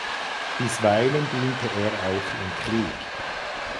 Bisweilen diente er auch im Krieg.